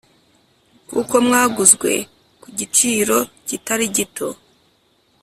kuko mwaguzwe ku igiciro kitari gito.